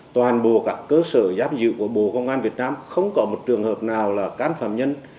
toàn bộ các cơ sở giam giữ của bộ công an việt nam không có một trường hợp nào là cán phạm nhân